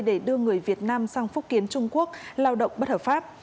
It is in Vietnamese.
để đưa người việt nam sang phúc kiến trung quốc lao động bất hợp pháp